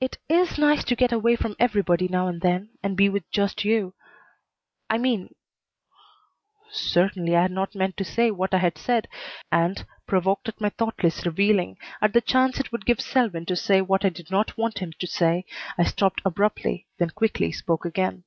"It is nice to get away from everybody now and then, and be with just you. I mean " Certainly I had not meant to say what I had said, and, provoked at my thoughtless revealing, at the chance it would give Selwyn to say what I did not want him to say, I stopped abruptly, then quickly spoke again.